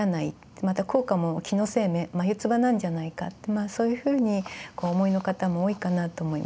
また効果も気のせい眉唾なんじゃないかってそういうふうにお思いの方も多いかなと思います。